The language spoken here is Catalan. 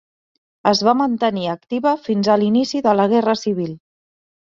Es va mantenir activa fins a l'inici de la Guerra Civil.